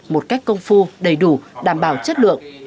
một cách công phu đầy đủ đảm bảo chất lượng